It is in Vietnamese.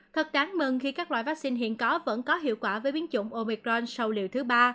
thật đáng mừng khi các loại vaccine hiện có vẫn có hiệu quả với biến chủng opicron sau liều thứ ba